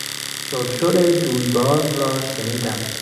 شرشر جویبار را شنیدم.